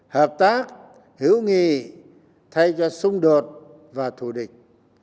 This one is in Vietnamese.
hợp tác hữu nghị thay cho xung đột và thù địch